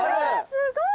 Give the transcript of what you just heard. すごい。